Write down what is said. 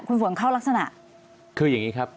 เขารักษณะคือยังงี้ครับ